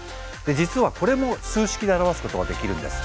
実はこれも数式で表すことができるんです。